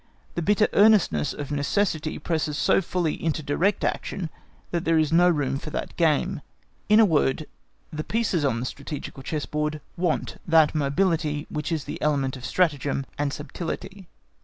The bitter earnestness of necessity presses so fully into direct action that there is no room for that game. In a word, the pieces on the strategical chess board want that mobility which is the element of stratagem and subtility.